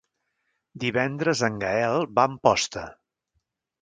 Divendres en Gaël va a Amposta.